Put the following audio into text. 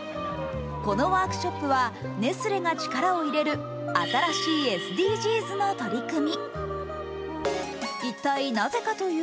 このワークショップはネスレが力を入れる新しいＳＤＧｓの取り組み。